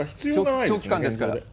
長期間ですから。